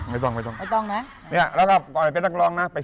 ไม่เป็นสักที